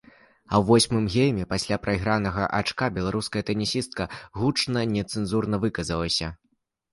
А ў восьмым гейме пасля прайгранага ачка беларуская тэнісістка гучна нецэнзурна выказалася.